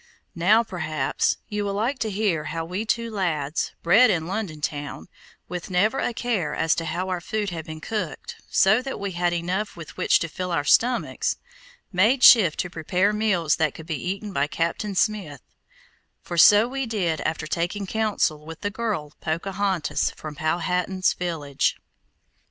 Now perhaps you will like to hear how we two lads, bred in London town, with never a care as to how our food had been cooked, so that we had enough with which to fill our stomachs, made shift to prepare meals that could be eaten by Captain Smith, for so we did after taking counsel with the girl Pocahontas from Powhatan's village.